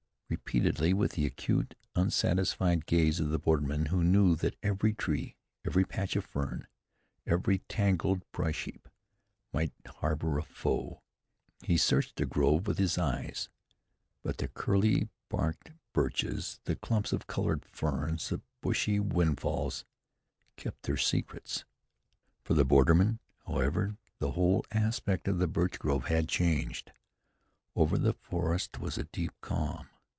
Repeatedly, with the acute, unsatisfied gaze of the borderman who knew that every tree, every patch of ferns, every tangled brush heap might harbor a foe, he searched the grove with his eyes; but the curly barked birches, the clumps of colored ferns, the bushy windfalls kept their secrets. For the borderman, however, the whole aspect of the birch grove had changed. Over the forest was a deep calm.